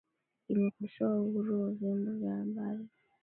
imekosoa uhuru wa vyombo vya habari